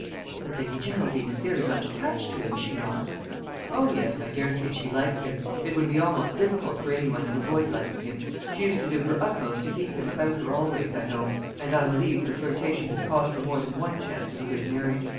"But Lady Geraldine is very much attached to him, is she not?" "O yes, I daresay she likes him; it would be almost difficult for any one to avoid liking him. She used to do her utmost to keep him about her always, I know; and I believe the flirtation has cost her more than one chance of a good marriage.